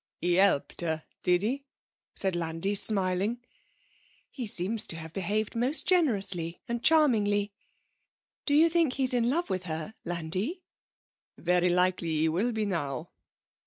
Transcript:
'He helped her, did he?' said Landi, smiling. 'He seems to have behaved most generously and charmingly. Do you think he is in love with her, Landi?' 'Very likely he will be now.'